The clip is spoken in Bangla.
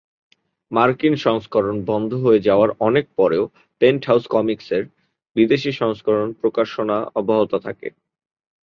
মার্কিন সংস্করণ বন্ধ হয়ে যাওয়ার অনেক পরেও "পেন্টহাউস কমিক্সের" বিদেশী সংস্করণ প্রকাশনা অব্যাহত ছিল।